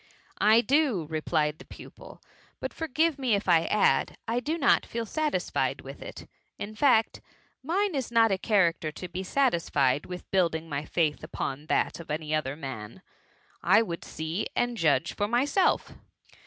•* I do, replied the pupil ;" but forgive me if I add — I do not feel satisfied with it : in fact, mine is not a character to be satisfied with build ing my faith upon that of any other man. I would see and judge for myself.